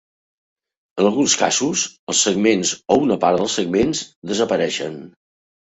En alguns casos, els segments o una part dels segments desapareixen.